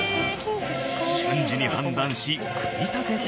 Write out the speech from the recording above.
瞬時に判断し組み立てていく。